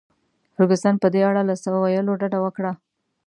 فرګوسن په دې اړه له څه ویلو ډډه وکړل.